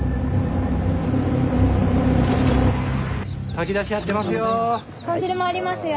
炊き出しやってますよ。